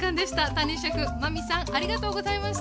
谷シェフ真海さんありがとうございました！